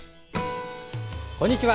こんにちは。